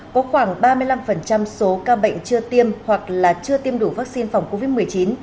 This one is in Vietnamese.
có khoảng ba mươi năm số ca bệnh chưa tiêm hoặc là chưa tiêm đủ vaccine phòng covid một mươi chín